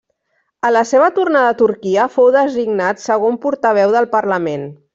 A la seva tornada a Turquia, fou designat segon portaveu del parlament.